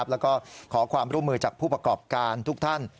แล้วก็ขอความร่วมมือจากผู้ประกอบการทุกท่าน